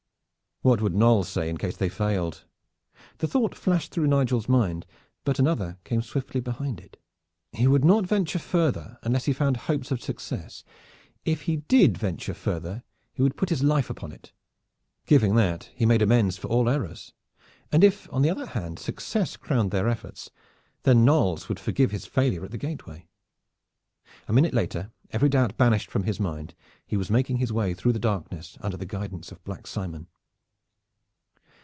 What would Knolles say in case they failed? The thought flashed through Nigel's mind, but another came swiftly behind it. He would not venture further unless he found hopes of success. And if he did venture further he would put his life upon it. Giving that, he made amends for all errors. And if on the other hand success crowned their efforts, then Knolles would forgive his failure at the gateway. A minute later, every doubt banished from his mind, he was making his way through the darkness under the guidance of Black Simon.